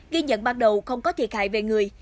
ghi nhận ban đầu không có thiệt hại về người